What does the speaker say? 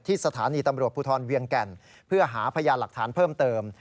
สถานีตำรวจภูทรเวียงแก่นเพื่อหาพยานหลักฐานเพิ่มเติม